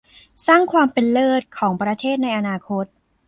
สร้างความเป็นเลิศของประเทศในอนาคต